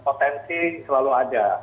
potensi selalu ada